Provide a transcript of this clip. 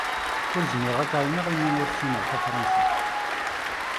Ur zmireɣ ad k-εawneɣ imi ur ssineɣ tafransist.